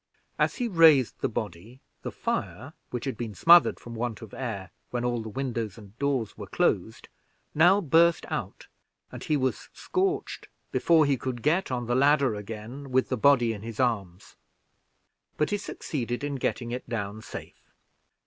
As he raised the body, the fire, which had been smothered from want of air when all the windows and doors were closed, now burst out, and he was scorched before he could get on the ladder again, with the body in his arms; but he succeeded in getting it down safe.